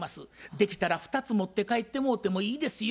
できたら２つ持って帰ってもうてもいいですよ」